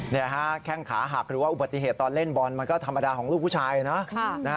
แข้งขาหักหรือว่าอุบัติเหตุตอนเล่นบอลมันก็ธรรมดาของลูกผู้ชายนะ